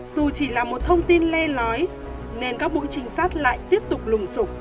dù chỉ là một thông tin lê lói nên các bộ trình sát lại tiếp tục lùng sụp